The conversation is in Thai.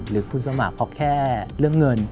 หรือคุณสมัครเพราะแค่เรื่องเงิน